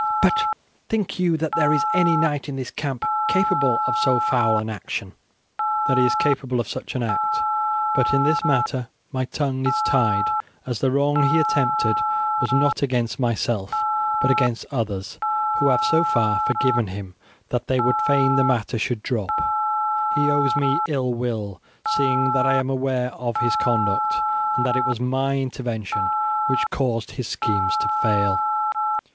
"But think you that there is any knight in this camp capable of so foul an action?" "I have had proofs, your highness, that he is capable of such an act; but in this matter my tongue is tied, as the wrong he attempted was not against myself, but against others who have so far forgiven him that they would fain the matter should drop. He owes me ill will, seeing that I am aware of his conduct, and that it was my intervention which caused his schemes to fail.